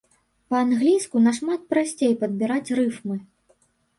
Па-англійску нашмат прасцей падбіраць рыфмы.